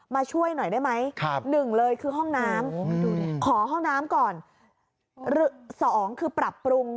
มาช่วยหน่อยได้ไหมหนึ่งเลยคือห้องน้ำขอห้องน้ำก่อน๒คือปรับปรุง